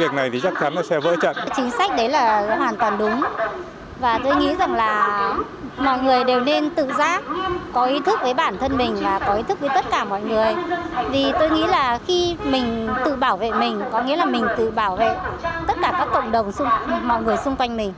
vì tôi nghĩ là khi mình tự bảo vệ mình có nghĩa là mình tự bảo vệ tất cả các cộng đồng mọi người xung quanh mình